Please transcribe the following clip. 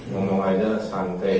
ngomong aja santai